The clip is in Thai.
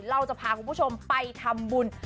เราจะพาคุณผู้ชมไปทำบุญ